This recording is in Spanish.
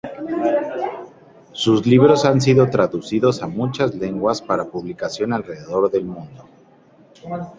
Sus libros han sido traducidos a muchas lenguas para publicación alrededor del mundo.